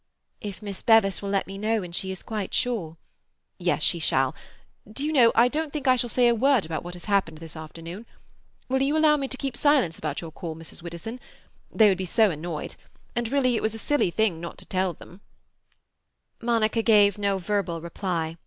"If Miss Bevis will let me know when she is quite sure—" "Yes, she shall. Do you know, I don't think I shall say a word about what has happened this afternoon. Will you allow me to keep silence about your call, Mrs. Widdowson? They would be so annoyed—and really it was a silly thing not to tell them—" Monica gave no verbal reply.